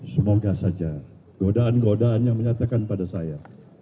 semoga saja godaan godaan yang menyatakan pada saya